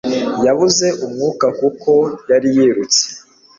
Yabuze umwuka kuko yari yirutse